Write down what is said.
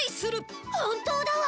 本当だわ！